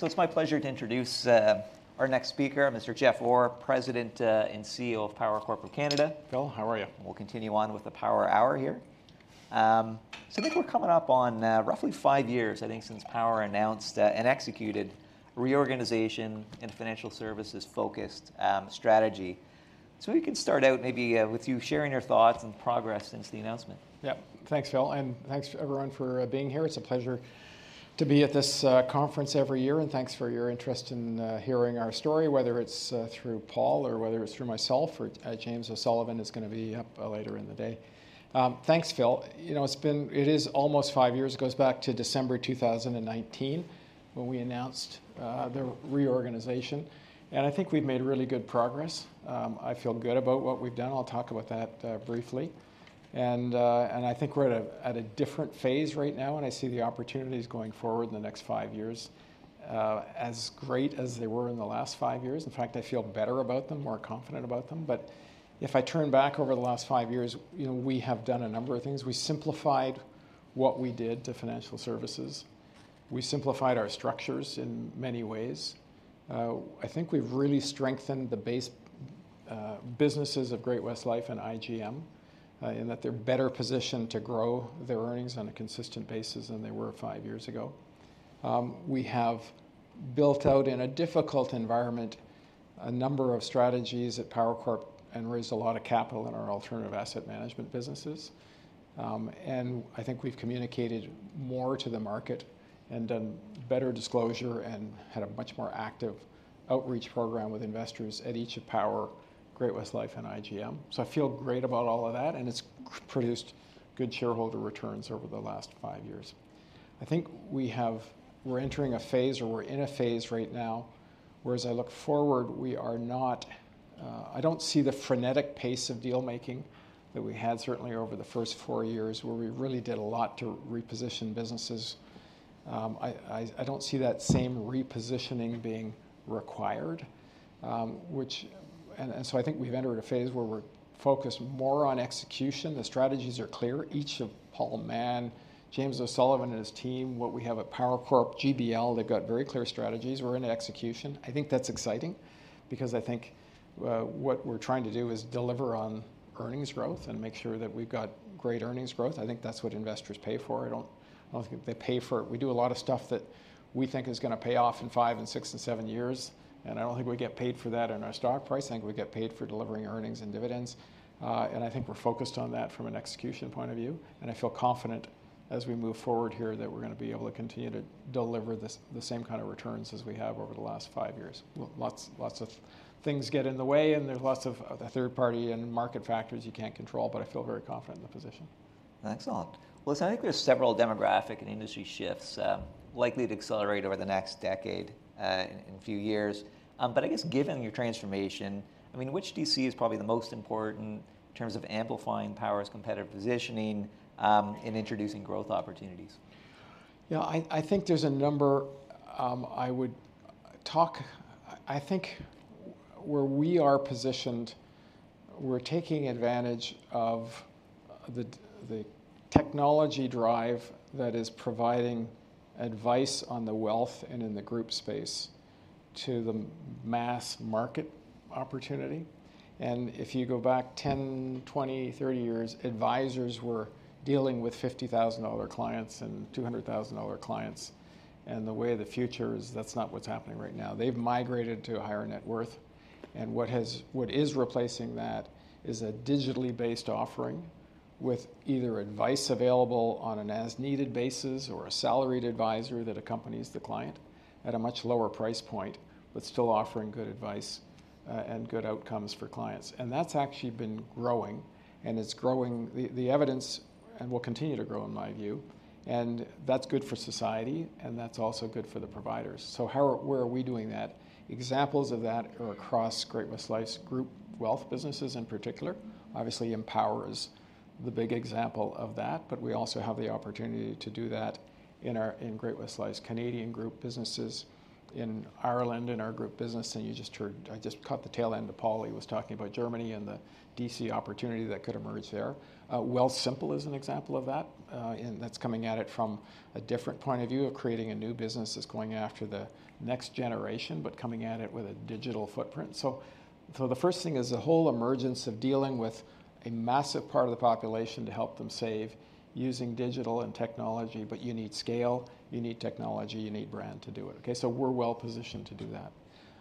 So it's my pleasure to introduce our next speaker, Mr. Jeff Orr, President and CEO of Power Corporation of Canada. Phil, how are you? We'll continue on with the Power Hour here. So I think we're coming up on roughly five years, I think, since Power announced and executed reorganization and financial services-focused strategy. So we can start out maybe with you sharing your thoughts and progress since the announcement. Yeah. Thanks, Phil, and thanks, everyone, for being here. It's a pleasure to be at this conference every year, and thanks for your interest in hearing our story, whether it's through Paul, or whether it's through myself, or James O'Sullivan is gonna be up later in the day. Thanks, Phil. You know, it's been—it is almost five years. It goes back to December 2019, when we announced the reorganization, and I think we've made really good progress. I feel good about what we've done. I'll talk about that briefly, and I think we're at a different phase right now, and I see the opportunities going forward in the next five years as great as they were in the last five years. In fact, I feel better about them, more confident about them. But if I turn back over the last five years, you know, we have done a number of things. We simplified what we did to financial services, we simplified our structures in many ways. I think we've really strengthened the base, businesses of Great-West Life and IGM, in that they're better positioned to grow their earnings on a consistent basis than they were five years ago. We have built out, in a difficult environment, a number of strategies at Power Corp and raised a lot of capital in our alternative asset management businesses. And I think we've communicated more to the market and done better disclosure and had a much more active outreach program with investors at each of Power, Great-West Life, and IGM. So I feel great about all of that, and it's produced good shareholder returns over the last five years. I think we're entering a phase, or we're in a phase right now, where, as I look forward, we are not. I don't see the frenetic pace of deal-making that we had certainly over the first four years, where we really did a lot to reposition businesses. I don't see that same repositioning being required, which, and so I think we've entered a phase where we're focused more on execution. The strategies are clear. Each of Paul Mahon, James O'Sullivan and his team, what we have at Power Corp, GBL, they've got very clear strategies. We're into execution. I think that's exciting because I think what we're trying to do is deliver on earnings growth and make sure that we've got great earnings growth. I think that's what investors pay for. I don't think they pay for- we do a lot of stuff that we think is gonna pay off in five and six and seven years, and I don't think we get paid for that in our stock price. I think we get paid for delivering earnings and dividends, and I think we're focused on that from an execution point of view. I feel confident as we move forward here, that we're gonna be able to continue to deliver the same kind of returns as we have over the last five years. Lots of things get in the way, and there's lots of third-party and market factors you can't control, but I feel very confident in the position. Excellent! Well, listen, I think there's several demographic and industry shifts, likely to accelerate over the next decade, in a few years, but I guess, given your transformation, I mean, which do you see as probably the most important in terms of amplifying Power's competitive positioning, and introducing growth opportunities? You know, I think there's a number. I think where we are positioned, we're taking advantage of the technology drive that is providing advice on the wealth and in the group space to the mass market opportunity. If you go back 10, 20, 30 years, advisors were dealing with 50,000-dollar clients and 200,000-dollar clients, and the way of the future is that's not what's happening right now. They've migrated to a higher net worth, and what is replacing that is a digitally based offering, with either advice available on an as-needed basis or a salaried advisor that accompanies the client at a much lower price point, but still offering good advice and good outcomes for clients. That's actually been growing, and it's growing... The evidence and will continue to grow, in my view, and that's good for society, and that's also good for the providers. Where are we doing that? Examples of that are across Great-West Life group wealth businesses in particular. Obviously, Empower is the big example of that, but we also have the opportunity to do that in Great-West Life's Canadian group businesses, in Ireland, in our group business. I just caught the tail end of Paul. He was talking about Germany and the DC opportunity that could emerge there. Wealthsimple is an example of that, and that's coming at it from a different point of view, of creating a new business that's going after the next generation, but coming at it with a digital footprint. So, so the first thing is the whole emergence of dealing with a massive part of the population to help them save using digital and technology, but you need scale, you need technology, you need brand to do it, okay? So we're well positioned to do that.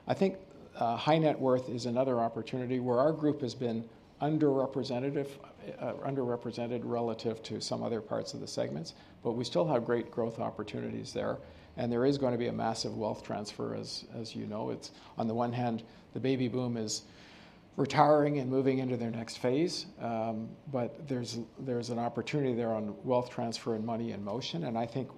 I think, high net worth is another opportunity where our group has been underrepresentative, underrepresented relative to some other parts of the segments, but we still have great growth opportunities there. And there is gonna be a massive wealth transfer, as you know. It's on the one hand, the baby boom is retiring and moving into their next phase, but there's an opportunity there on wealth transfer and money in motion, and I think,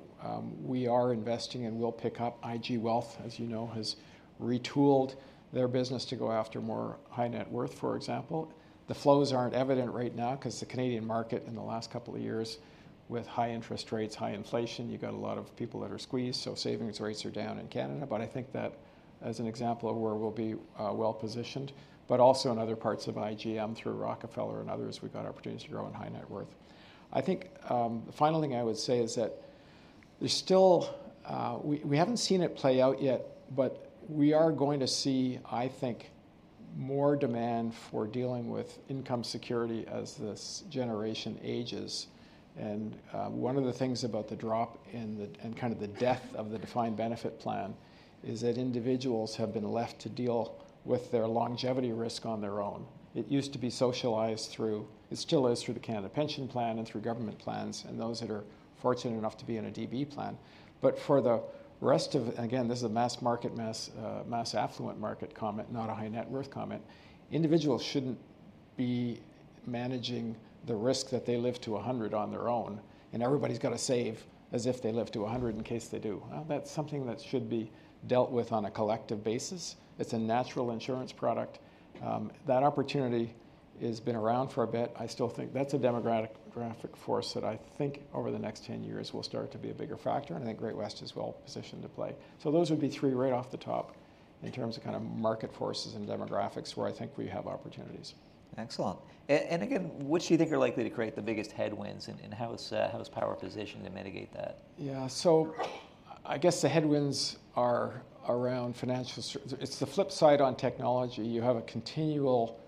we are investing and will pick up. IG Wealth, as you know, has retooled their business to go after more high net worth, for example. The flows aren't evident right now 'cause the Canadian market in the last couple of years, with high interest rates, high inflation, you got a lot of people that are squeezed, so savings rates are down in Canada. But I think that, as an example, of where we'll be well positioned, but also in other parts of IGM. Through Rockefeller and others, we've got opportunities to grow in high net worth. I think the final thing I would say is that there's still, we haven't seen it play out yet, but we are going to see, I think, more demand for dealing with income security as this generation ages. One of the things about the drop in and kind of the death of the defined benefit plan is that individuals have been left to deal with their longevity risk on their own. It used to be socialized through. It still is through the Canada Pension Plan and through government plans, and those that are fortunate enough to be in a DB plan. But for the rest of, again, this is a mass market, mass affluent market comment, not a high net worth comment. Individuals shouldn't be managing the risk that they live to a hundred on their own, and everybody's gotta save as if they live to a hundred in case they do. That's something that should be dealt with on a collective basis. It's a natural insurance product. That opportunity has been around for a bit. I still think that's a demographic force that I think over the next ten years will start to be a bigger factor, and I think Great-West is well positioned to play. So those would be three right off the top in terms of kind of market forces and demographics, where I think we have opportunities. Excellent. And again, what do you think are likely to create the biggest headwinds, and how is Power positioned to mitigate that? Yeah, so I guess the headwinds are around financial services. It's the flip side on technology. You have a continual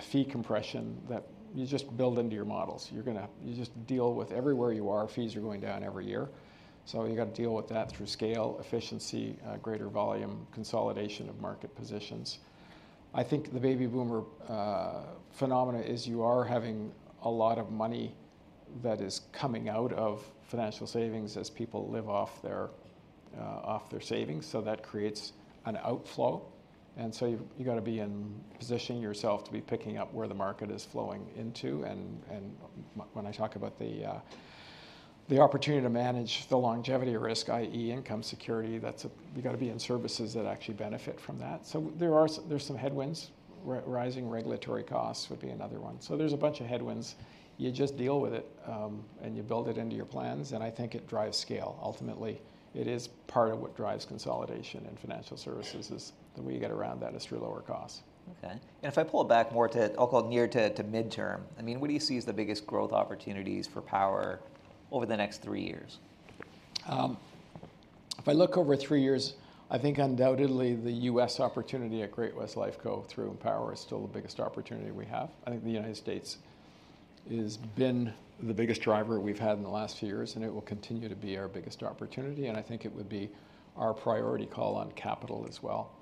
fee compression that you just build into your models. You just deal with everywhere you are, fees are going down every year, so you've gotta deal with that through scale, efficiency, greater volume, consolidation of market positions. I think the baby boomer phenomenon is you are having a lot of money that is coming out of financial savings as people live off their savings, so that creates an outflow. And so you gotta be in position yourself to be picking up where the market is flowing into. And when I talk about the opportunity to manage the longevity risk, i.e., income security, that's you gotta be in services that actually benefit from that. So there are some headwinds. Rising regulatory costs would be another one. So there's a bunch of headwinds. You just deal with it, and you build it into your plans, and I think it drives scale. Ultimately, it is part of what drives consolidation in financial services, is the way you get around that is through lower costs. Okay. And if I pull it back more to, I'll call it near to midterm, I mean, what do you see as the biggest growth opportunities for Power over the next three years? If I look over three years, I think undoubtedly the U.S. opportunity at Great-West Lifeco through Power is still the biggest opportunity we have. I think the United States has been the biggest driver we've had in the last few years, and it will continue to be our biggest opportunity, and I think it would be our priority call on capital as well.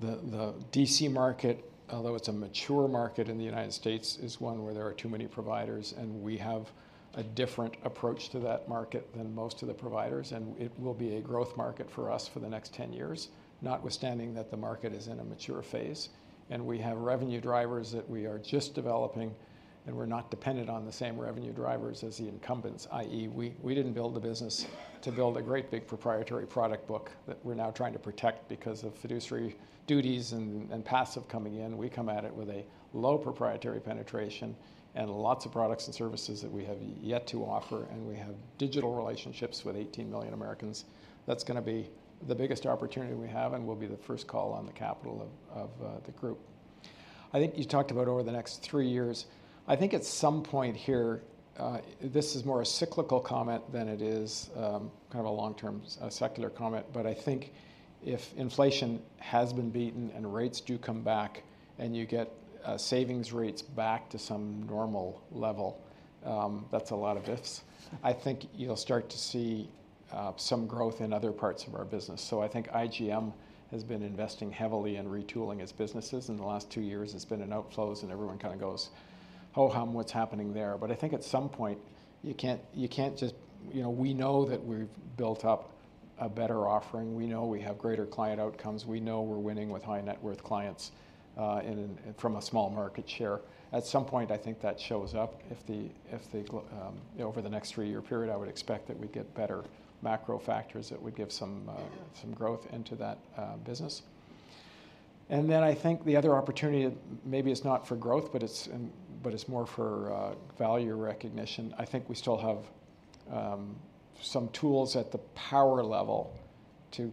The DC market, although it's a mature market in the United States, is one where there are too many providers, and we have a different approach to that market than most of the providers, and it will be a growth market for us for the next 10 years, notwithstanding that the market is in a mature phase. We have revenue drivers that we are just developing, and we're not dependent on the same revenue drivers as the incumbents, i.e., we didn't build a business to build a great, big proprietary product book that we're now trying to protect because of fiduciary duties and passive coming in. We come at it with a low proprietary penetration and lots of products and services that we have yet to offer, and we have digital relationships with eighteen million Americans. That's gonna be the biggest opportunity we have and will be the first call on the capital of the group. I think you talked about over the next three years. I think at some point here, this is more a cyclical comment than it is, kind of a long-term, secular comment, but I think if inflation has been beaten, and rates do come back, and you get, savings rates back to some normal level. That's a lot of ifs. I think you'll start to see, some growth in other parts of our business. So I think IGM has been investing heavily in retooling its businesses in the last two years. It's been in outflows, and everyone kinda goes, "Ho-hum, what's happening there?" But I think at some point, you can't, you can't just- You know, we know that we've built up a better offering, we know we have greater client outcomes, we know we're winning with high net worth clients, and from a small market share. At some point, I think that shows up. If the, if the you know, over the next three-year period, I would expect that we get better macro factors that would give some growth into that business. And then, I think the other opportunity, maybe it's not for growth, but it's, but it's more for value recognition. I think we still have some tools at the Power level to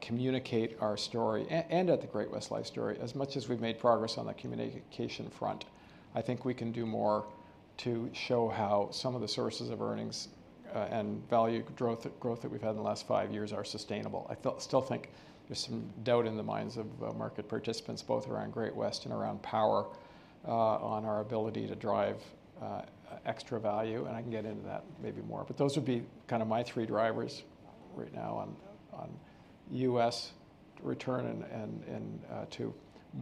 communicate our story and at the Great-West Life story. As much as we've made progress on the communication front, I think we can do more to show how some of the sources of earnings and value growth that we've had in the last five years are sustainable. I still think there's some doubt in the minds of market participants, both around Great-West and around Power, on our ability to drive extra value, and I can get into that maybe more. But those would be kind of my three drivers right now on US return and to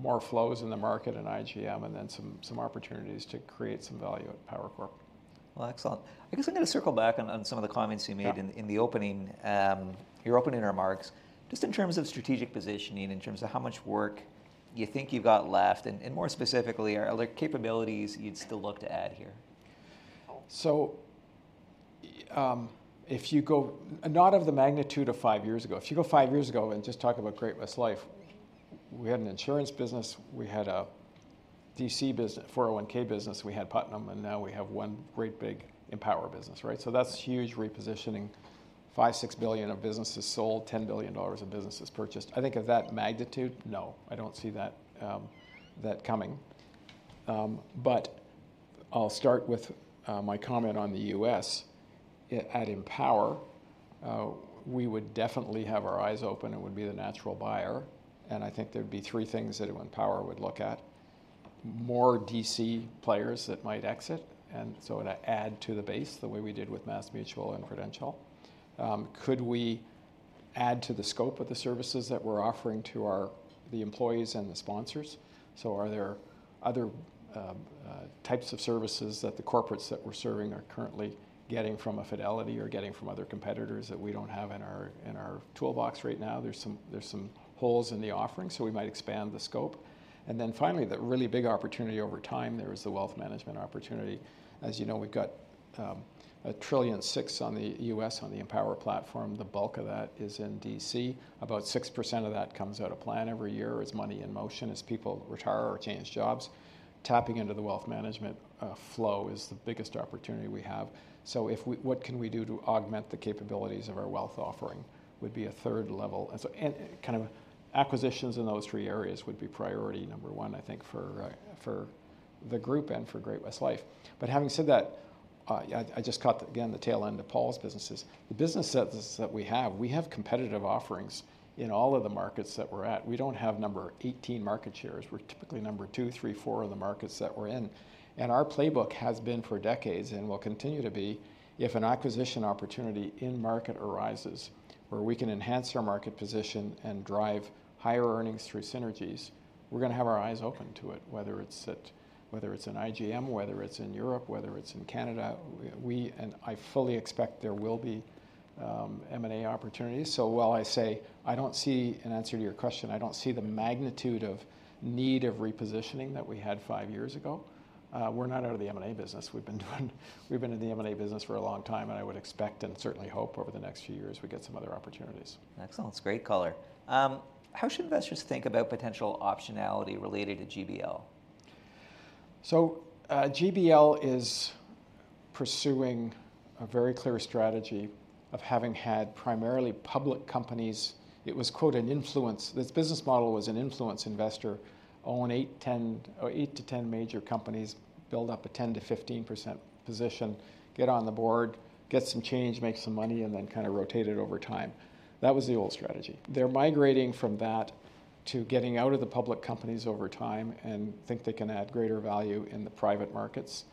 more flows in the market and IGM, and then some opportunities to create some value at Power Corp. Excellent. I guess I'm gonna circle back on some of the comments you made- Yeah... in the opening, your opening remarks, just in terms of strategic positioning, in terms of how much work you think you've got left, and more specifically, are there capabilities you'd still look to add here? So, if you go... Not of the magnitude of five years ago. If you go five years ago and just talk about Great-West Life, we had an insurance business, we had a DC business, 401(k) business, we had Putnam, and now we have one great big Empower business, right? So that's huge repositioning. $5 billion-$6 billion of businesses sold, $10 billion of businesses purchased. I think of that magnitude, no, I don't see that coming. But I'll start with my comment on the U.S. At Empower, we would definitely have our eyes open and would be the natural buyer, and I think there'd be three things that Empower would look at: more DC players that might exit, and so it would add to the base the way we did with MassMutual and Prudential. Could we add to the scope of the services that we're offering to our, the employees and the sponsors? So are there other types of services that the corporates that we're serving are currently getting from a Fidelity or getting from other competitors that we don't have in our, in our toolbox right now? There's some holes in the offering, so we might expand the scope. And then finally, the really big opportunity over time there is the wealth management opportunity. As you know, we've got $1.6 trillion in the U.S. on the Empower platform. The bulk of that is in DC. About 6% of that comes out of plan every year as money in motion, as people retire or change jobs. Tapping into the wealth management flow is the biggest opportunity we have. What can we do to augment the capabilities of our wealth offering would be a third level, and kind of acquisitions in those three areas would be priority number one, I think, for the group and for Great-West Life. Having said that, I just caught again the tail end of Paul's businesses. The business sets that we have, we have competitive offerings in all of the markets that we're at. We don't have number one market shares. We're typically number two, three, four in the markets that we're in. Our playbook has been for decades, and will continue to be, if an acquisition opportunity in market arises where we can enhance our market position and drive higher earnings through synergies, we're gonna have our eyes open to it, whether it's at, whether it's in IGM, whether it's in Europe, whether it's in Canada, we. I fully expect there will be M&A opportunities. While I say I don't see an answer to your question, I don't see the magnitude of need of repositioning that we had five years ago, we're not out of the M&A business. We've been in the M&A business for a long time, and I would expect and certainly hope over the next few years, we get some other opportunities. Excellent. It's great color. How should investors think about potential optionality related to GBL? GBL is pursuing a very clear strategy of having had primarily public companies. It was, quote, "an influence." This business model was an influence investor, own eight, 10, or eight to 10 major companies, build up a 10 to 15% position, get on the board, get some change, make some money, and then kind of rotate it over time. That was the old strategy. They're migrating from that to getting out of the public companies over time and think they can add greater value in the private markets,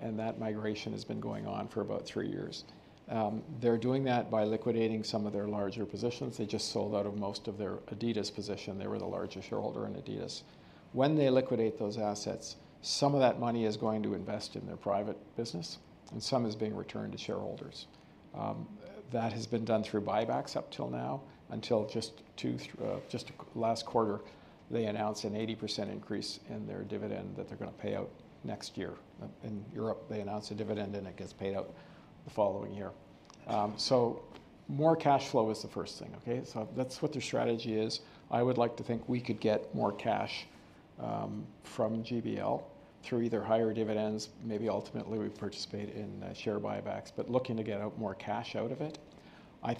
and that migration has been going on for about three years. They're doing that by liquidating some of their larger positions. They just sold out of most of their adidas position. They were the largest shareholder in adidas. When they liquidate those assets, some of that money is going to invest in their private business, and some is being returned to shareholders. That has been done through buybacks up till now, until just last quarter, they announced an 80% increase in their dividend that they're gonna pay out next year. In Europe, they announced a dividend, and it gets paid out the following year. So more cash flow is the first thing, okay? So that's what their strategy is. I would like to think we could get more cash from GBL through either higher dividends, maybe ultimately, we participate in share buybacks, but looking to get more cash out of it. I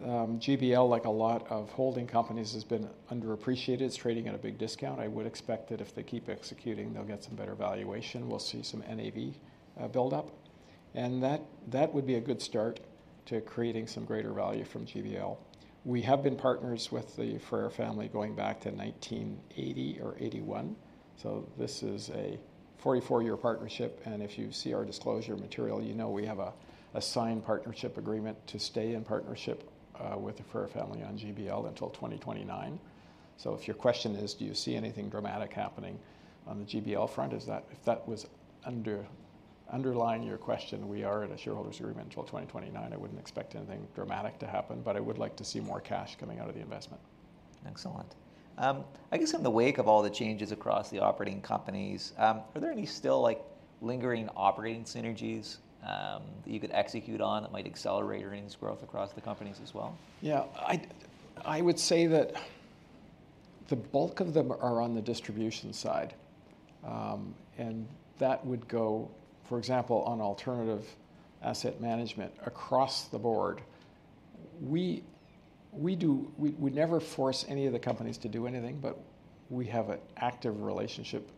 think GBL, like a lot of holding companies, has been underappreciated. It's trading at a big discount. I would expect that if they keep executing, they'll get some better valuation. We'll see some NAV build up, and that, that would be a good start to creating some greater value from GBL. We have been partners with the Frère family going back to 1980 or 1981, so this is a forty-four-year partnership, and if you see our disclosure material, you know we have a signed partnership agreement to stay in partnership with the Frère family on GBL until 2029. So if your question is, do you see anything dramatic happening on the GBL front, is that if that was underlying your question, we are at a shareholders' agreement until 2029. I wouldn't expect anything dramatic to happen, but I would like to see more cash coming out of the investment. Excellent. I guess in the wake of all the changes across the operating companies, are there any still, like, lingering operating synergies, that you could execute on that might accelerate earnings growth across the companies as well? Yeah, I would say that the bulk of them are on the distribution side, and that would go, for example, on alternative asset management across the board. We never force any of the companies to do anything, but we have an active relationship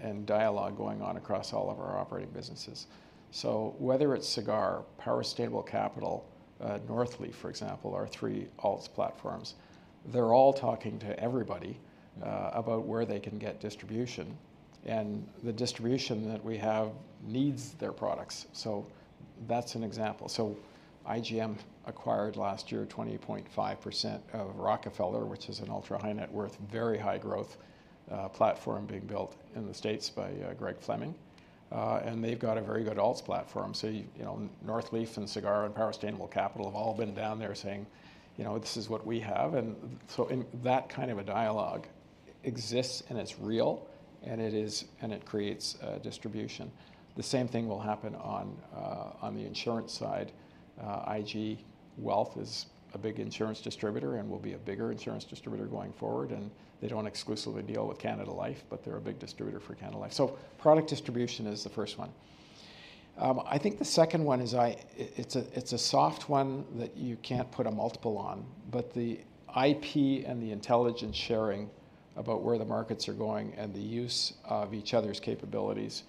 and dialogue going on across all of our operating businesses. So whether it's Sagard, Power Sustainable Capital, Northleaf, for example, our three alts platforms, they're all talking to everybody about where they can get distribution, and the distribution that we have needs their products. So that's an example. So IGM acquired last year 20.5% of Rockefeller, which is an ultra high net worth, very high growth platform being built in the States by Greg Fleming, and they've got a very good alts platform. So, you know, Northleaf and Sagard and Power Sustainable Capital have all been down there saying: "You know, this is what we have." And so in that kind of a dialogue exists, and it's real, and it creates distribution. The same thing will happen on the insurance side. IG Wealth is a big insurance distributor and will be a bigger insurance distributor going forward, and they don't exclusively deal with Canada Life, but they're a big distributor for Canada Life. So product distribution is the first one. I think the second one is, it's a soft one that you can't put a multiple on, but the IP and the intelligence sharing about where the markets are going and the use of each other's capabilities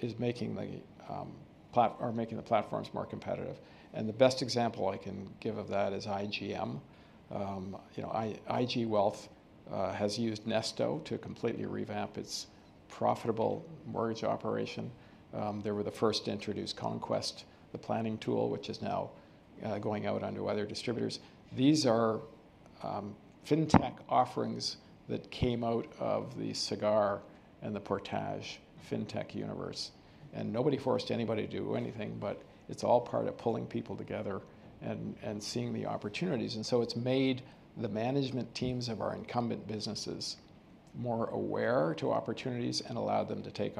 is making the platforms more competitive. The best example I can give of that is IGM. You know, IG Wealth has used Nesto to completely revamp its profitable mortgage operation. They were the first to introduce Conquest, the planning tool, which is now going out onto other distributors. These are fintech offerings that came out of the Sagard and the Portage fintech universe, and nobody forced anybody to do anything, but it's all part of pulling people together and seeing the opportunities. And so it's made the management teams of our incumbent businesses more aware to opportunities and allowed them to take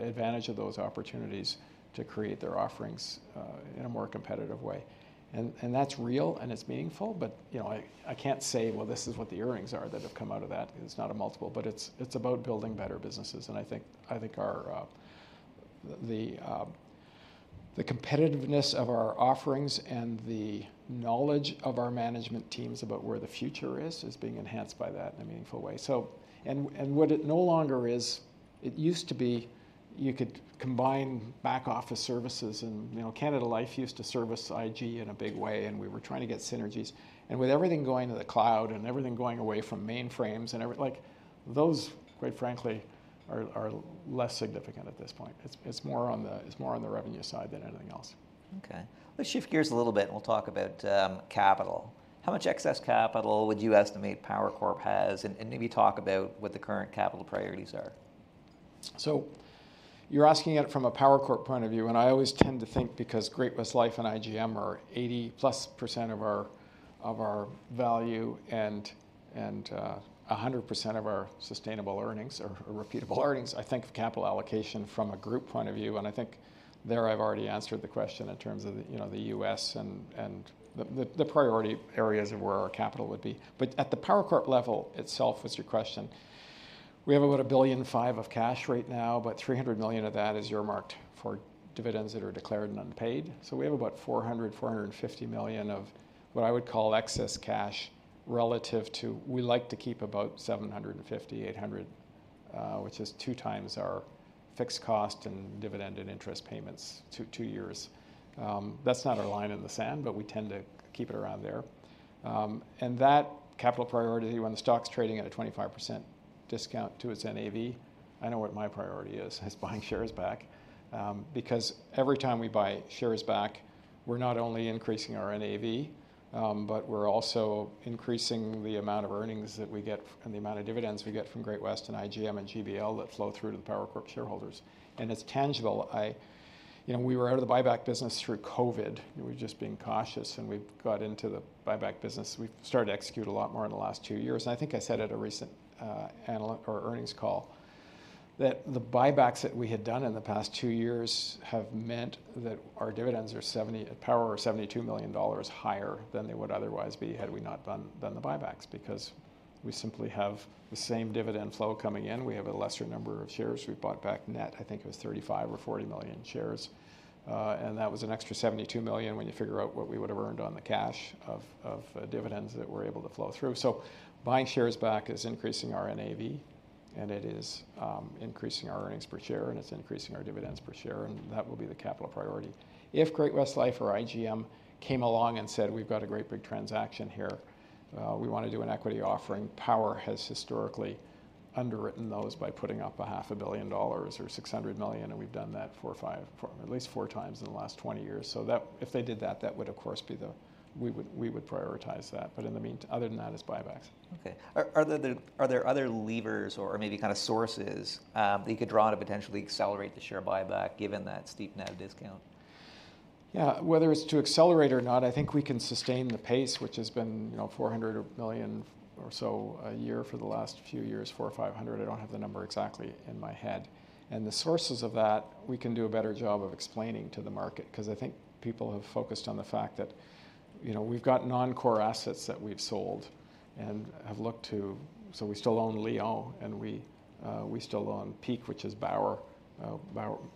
advantage of those opportunities to create their offerings in a more competitive way. And that's real, and it's meaningful, but you know I can't say, "Well, this is what the earnings are that have come out of that." It's not a multiple, but it's about building better businesses, and I think our the competitiveness of our offerings and the knowledge of our management teams about where the future is is being enhanced by that in a meaningful way. So what it no longer is, it used to be you could combine back office services and you know Canada Life used to service IG in a big way, and we were trying to get synergies. And with everything going to the cloud and everything going away from mainframes and like those quite frankly are less significant at this point. It's more on the revenue side than anything else. Okay. Let's shift gears a little bit, and we'll talk about capital. How much excess capital would you estimate Power Corp has? And, and maybe talk about what the current capital priorities are. So you're asking it from a Power Corp point of view, and I always tend to think because Great-West Life and IGM are 80% plus of our value and a 100% of our sustainable earnings or repeatable earnings. I think of capital allocation from a group point of view. I think there I've already answered the question in terms of the, you know, the US and the priority areas of where our capital would be. But at the Power Corp level itself, was your question. We have about 1.5 billion of cash right now, but 300 million of that is earmarked for dividends that are declared and unpaid. We have about 400 million-450 million of what I would call excess cash, relative to... We like to keep about 750, 800, which is two times our fixed cost in dividend and interest payments, two, two years. That's not our line in the sand, but we tend to keep it around there. And that capital priority, when the stock's trading at a 25% discount to its NAV, I know what my priority is: buying shares back. Because every time we buy shares back, we're not only increasing our NAV, but we're also increasing the amount of earnings that we get and the amount of dividends we get from Great-West and IGM and GBL that flow through to the Power Corp shareholders. And it's tangible. You know, we were out of the buyback business through COVID. We were just being cautious, and we've got into the buyback business. We've started to execute a lot more in the last two years, and I think I said at a recent analyst or earnings call, that the buybacks that we had done in the past two years have meant that our dividends at Power are 72 million dollars higher than they would otherwise be had we not done the buybacks, because we simply have the same dividend flow coming in. We have a lesser number of shares. We bought back net, I think it was 35 or 40 million shares, and that was an extra 72 million when you figure out what we would have earned on the cash of dividends that were able to flow through. Buying shares back is increasing our NAV, and it is increasing our earnings per share, and it's increasing our dividends per share, and that will be the capital priority. If Great-West Life or IGM came along and said, "We've got a great big transaction here, we wanna do an equity offering," Power has historically underwritten those by putting up 500 million dollars or 600 million, and we've done that four or five, at least four times in the last twenty years. If they did that, that would, of course, be the we would prioritize that. But other than that, it's buybacks. Okay. Are there other levers or maybe kind of sources that you could draw to potentially accelerate the share buyback, given that steep net discount? Yeah, whether it's to accelerate or not, I think we can sustain the pace, which has been, you know, 400 million or so a year for the last few years, 400 or 500, I don't have the number exactly in my head. And the sources of that, we can do a better job of explaining to the market, 'cause I think people have focused on the fact that, you know, we've got non-core assets that we've sold and have looked to. So we still own Lion, and we still own Peak, which is Bauer,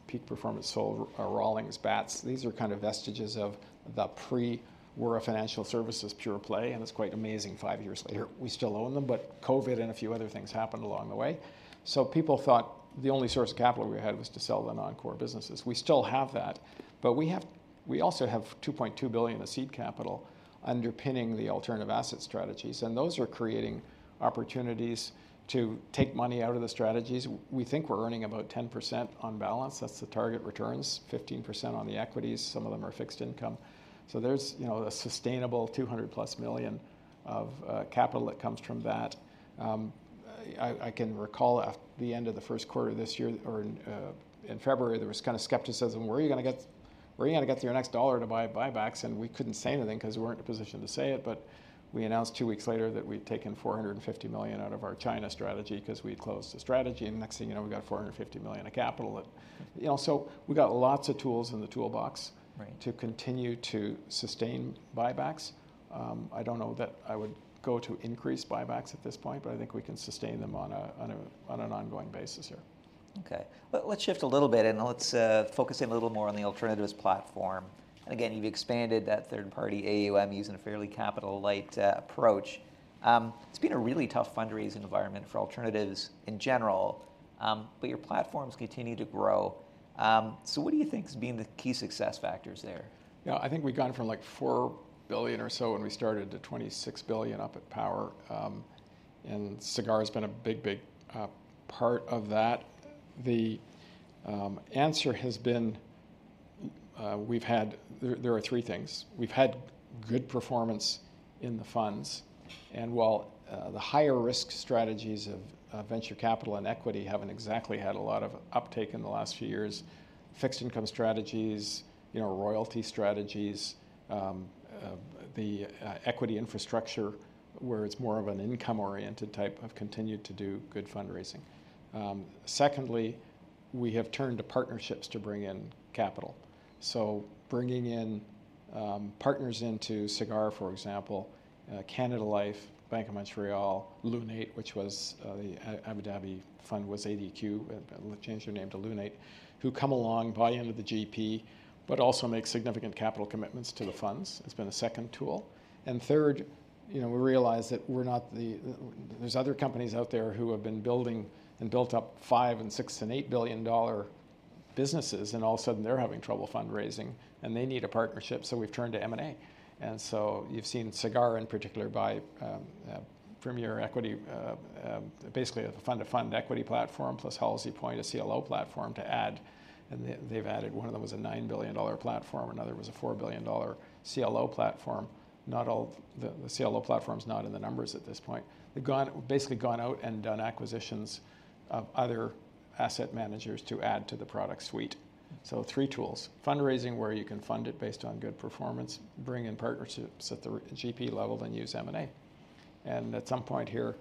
Peak Performance, sold Rawlings Bats. These are kind of vestiges of the pre-we're-a-financial-services pure play, and it's quite amazing, five years later, we still own them, but COVID and a few other things happened along the way. So people thought the only source of capital we had was to sell the non-core businesses. We still have that, but we have, we also have 2.2 billion of seed capital underpinning the alternative asset strategies, and those are creating opportunities to take money out of the strategies. We think we're earning about 10% on balance. That's the target returns. 15% on the equities. Some of them are fixed income. So there's, you know, a sustainable 200+ million of capital that comes from that. I can recall at the end of the first quarter this year, or in February, there was kind of skepticism: Where are you gonna get your next dollar to buy buybacks? And we couldn't say anything 'cause we weren't in a position to say it, but we announced two weeks later that we'd taken 450 million out of our China strategy 'cause we had closed the strategy, and next thing you know, we got 450 million of capital. You know, so we've got lots of tools in the toolbox- Right... to continue to sustain buybacks. I don't know that I would go to increase buybacks at this point, but I think we can sustain them on an ongoing basis here. ... Okay. Well, let's shift a little bit, and let's focus in a little more on the alternatives platform. And again, you've expanded that third-party AUM using a fairly capital-light approach. It's been a really tough fundraising environment for alternatives in general, but your platforms continue to grow. So what do you think has been the key success factors there? Yeah, I think we've gone from, like, 4 billion or so when we started to 26 billion up at Power, and Sagard has been a big, big part of that. The answer has been, there are three things. We've had good performance in the funds, and while the higher risk strategies of venture capital and equity haven't exactly had a lot of uptake in the last few years, fixed income strategies, you know, royalty strategies, the equity infrastructure, where it's more of an income-oriented type, have continued to do good fundraising. Secondly, we have turned to partnerships to bring in capital. So bringing in partners into Sagard, for example, Canada Life, Bank of Montreal, Lunate, which was the Abu Dhabi fund, was ADQ, changed their name to Lunate, who come along, buy into the GP but also make significant capital commitments to the funds, has been a second tool. And third, you know, we realize that we're not, there's other companies out there who have been building and built up five- and six- and eight-billion-dollar businesses, and all of a sudden they're having trouble fundraising, and they need a partnership, so we've turned to M&A. And so you've seen Sagard, in particular, buy Performance Equity, basically a fund-of-funds equity platform, plus HalseyPoint, a CLO platform, to add, and they, they've added... One of them was a 9 billion dollar platform, another was a 4 billion dollar CLO platform. Not all the CLO platform's not in the numbers at this point. They've basically gone out and done acquisitions of other asset managers to add to the product suite. So three tools: fundraising, where you can fund it based on good performance, bring in partnerships at the GP level, then use M&A. And at some point here,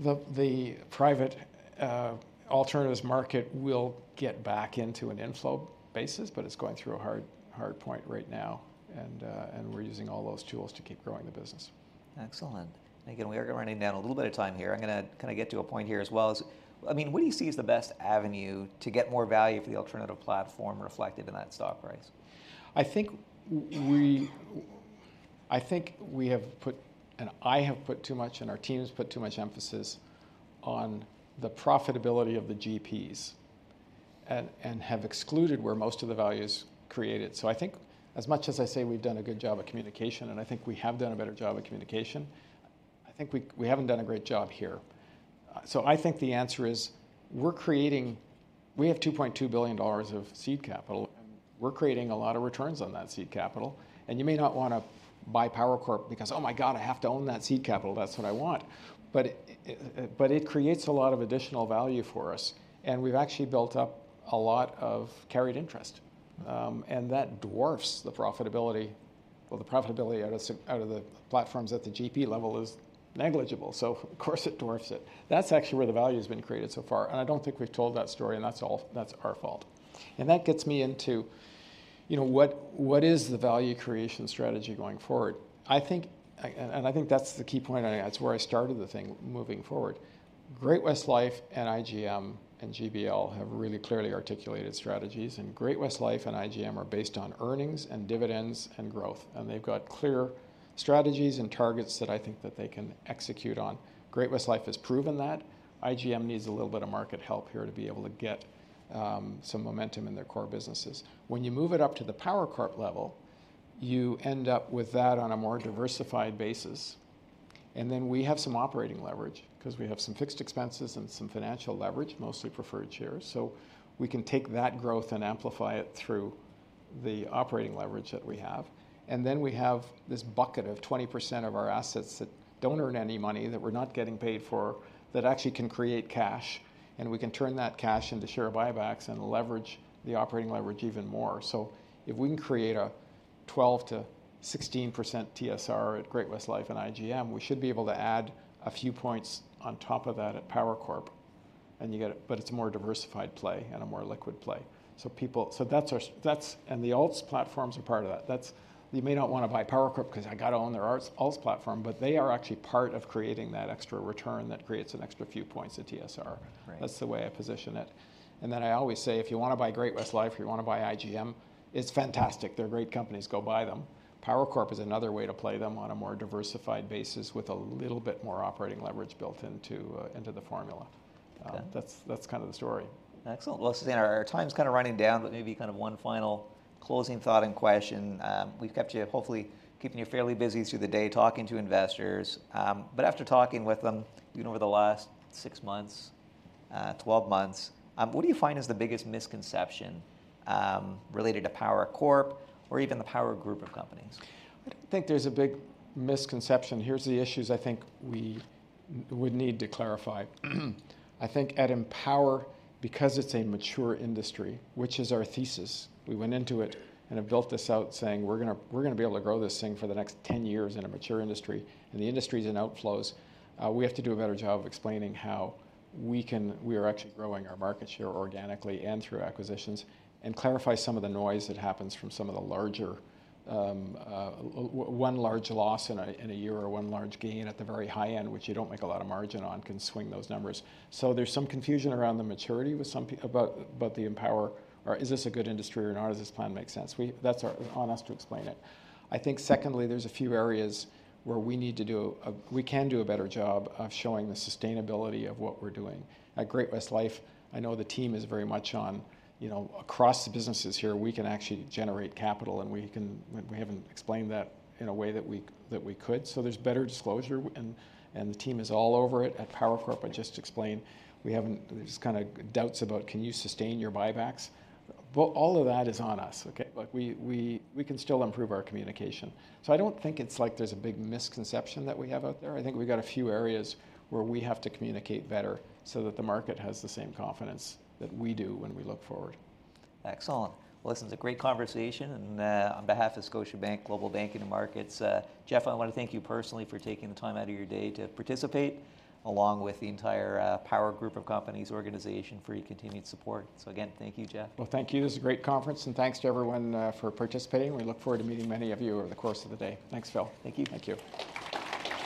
the private alternatives market will get back into an inflow basis, but it's going through a hard, hard point right now, and we're using all those tools to keep growing the business. Excellent. And again, we are running down a little bit of time here. I'm gonna kinda get to a point here as well. I mean, what do you see as the best avenue to get more value for the alternative platform reflected in that stock price? I think we have put, and I have put too much, and our teams put too much emphasis on the profitability of the GPs, and have excluded where most of the value is created. So I think as much as I say we've done a good job at communication, and I think we have done a better job at communication, I think we haven't done a great job here. So I think the answer is, we're creating... We have 2.2 billion dollars of seed capital, and we're creating a lot of returns on that seed capital. You may not wanna buy Power Corp because, "Oh, my God, I have to own that seed capital, that's what I want!" It creates a lot of additional value for us, and we've actually built up a lot of carried interest. That dwarfs the profitability. The profitability out of the platforms at the GP level is negligible, so of course, it dwarfs it. That's actually where the value's been created so far, and I don't think we've told that story, and that's our fault. That gets me into, you know, what is the value creation strategy going forward? I think, and I think that's the key point, and that's where I started the thing, moving forward. Great-West Life, and IGM, and GBL have really clearly articulated strategies, and Great-West Life and IGM are based on earnings, and dividends, and growth, and they've got clear strategies and targets that I think that they can execute on. Great-West Life has proven that. IGM needs a little bit of market help here to be able to get some momentum in their core businesses. When you move it up to the Power Corp level, you end up with that on a more diversified basis. And then we have some operating leverage, 'cause we have some fixed expenses and some financial leverage, mostly preferred shares. So we can take that growth and amplify it through the operating leverage that we have. We have this bucket of 20% of our assets that don't earn any money, that we're not getting paid for, that actually can create cash, and we can turn that cash into share buybacks and leverage the operating leverage even more. So if we can create a 12%-16% TSR at Great-West Life and IGM, we should be able to add a few points on top of that at Power Corp, and you get it, but it's a more diversified play and a more liquid play. So that's our and the alts platforms are part of that. That's. You may not wanna buy Power Corp, "'Cause I gotta own their alts platform," but they are actually part of creating that extra return that creates an extra few points at TSR. Right. That's the way I position it. Then I always say, if you wanna buy Great-West Life, or you wanna buy IGM, it's fantastic. They're great companies. Go buy them. Power Corp is another way to play them on a more diversified basis, with a little bit more operating leverage built into the formula. Okay. That's kind of the story. Excellent. Well, listen, our time's kind of running down, but maybe kind of one final closing thought and question. We've kept you, hopefully, keeping you fairly busy through the day, talking to investors. But after talking with them, you know, over the last six months, twelve months, what do you find is the biggest misconception, related to Power Corp or even the Power Group of companies? I think there's a big misconception. Here's the issues I think we would need to clarify. I think at Empower, because it's a mature industry, which is our thesis, we went into it and have built this out, saying, "We're gonna, we're gonna be able to grow this thing for the next 10 years in a mature industry," and the industry's in outflows. We have to do a better job of explaining we are actually growing our market share organically and through acquisitions, and clarify some of the noise that happens from some of the larger, one large loss in a year, or one large gain at the very high end, which you don't make a lot of margin on, can swing those numbers. So there's some confusion around the maturity with some people about the Empower, or is this a good industry or not? Does this plan make sense? That's on us to explain it. I think secondly, there's a few areas where we need to do a. We can do a better job of showing the sustainability of what we're doing. At Great-West Life, I know the team is very much on, you know, across the businesses here, we can actually generate capital, and we haven't explained that in a way that we could. So there's better disclosure, and the team is all over it at Power Corp. But just to explain, there's kind of doubts about: Can you sustain your buybacks? Well, all of that is on us, okay? Like, we can still improve our communication. So I don't think it's like there's a big misconception that we have out there. I think we've got a few areas where we have to communicate better so that the market has the same confidence that we do when we look forward. Excellent. Listen, it's a great conversation, and on behalf of Scotiabank Global Banking and Markets, Jeff, I wanna thank you personally for taking the time out of your day to participate, along with the entire Power Group of Companies organization, for your continued support. Again, thank you, Jeff. Thank you. This is a great conference, and thanks to everyone for participating. We look forward to meeting many of you over the course of the day. Thanks, Phil. Thank you. Thank you.